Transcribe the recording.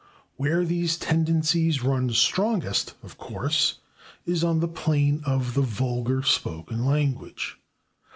Where these tendencies run strongest, of course, is on the plane of the vulgar spoken language.